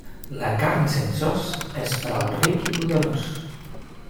La carn sense os és per al ric i poderós.